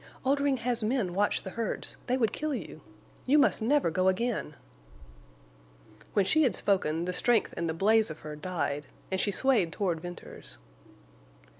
"Oldring has men watch the herds—they would kill you. You must never go again!" When she had spoken, the strength and the blaze of her died, and she swayed toward Venters.